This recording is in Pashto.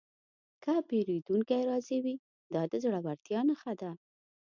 که پیرودونکی راضي وي، دا د زړورتیا نښه ده.